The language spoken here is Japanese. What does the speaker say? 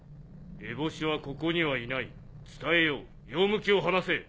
エボシはここにはいない伝えよう用向きを話せ。